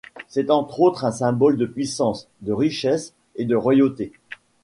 C'est entre autres un symbole de puissance, de richesse et de royauté.